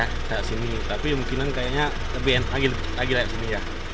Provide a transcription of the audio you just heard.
lagi lepas sini tapi mungkin kayaknya lebih lagi lepas sini ya